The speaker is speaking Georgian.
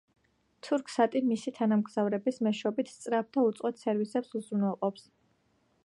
თურქსატი მისი თანამგზავრების მეშვეობით სწრაფ და უწყვეტ სერვისებს უზრუნველყოფს.